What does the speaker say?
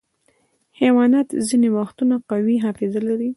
حیوانات ځینې وختونه قوي حافظه لري.